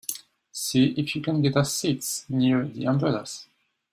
See if you can get us seats near the umbrellas.